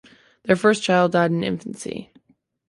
Their first child died in infancy.